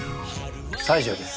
西城です。